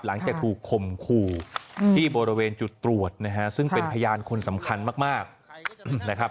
หลังจากถูกข่มขู่ที่บริเวณจุดตรวจนะฮะซึ่งเป็นพยานคนสำคัญมากนะครับ